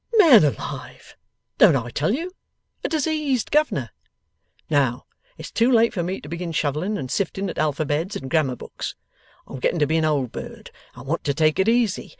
'Man alive, don't I tell you? A diseased governor? Now, it's too late for me to begin shovelling and sifting at alphabeds and grammar books. I'm getting to be a old bird, and I want to take it easy.